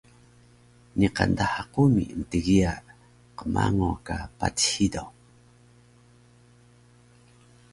Niqan daha qumi mtgiya qmango ka patis hido